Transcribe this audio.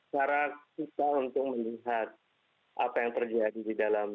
cara kita untuk melihat apa yang terjadi di dalam